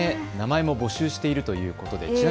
名前も募集しているということです。